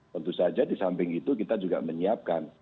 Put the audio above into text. tentu saja di samping itu kita juga menyiapkan